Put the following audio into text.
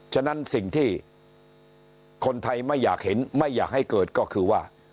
ฉะนั้นสิ่งที่คนไทยไม่อยากเห็นไม่อยากให้เกิดก็คือว่า